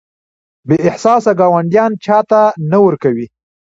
بې احساسه ګاونډیان چاته نه ورکوي.